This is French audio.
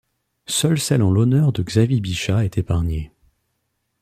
Seule celle en l'honneur de Xavier Bichat est épargnée.